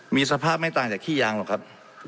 มีสภาพไม่ต่างจากขี้ยางหรอกครับ